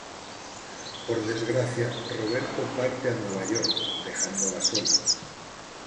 Por desgracia, Roberto parte a Nueva York, dejándola sola.